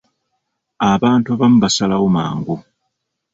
Abantu abamu basalawo mangu.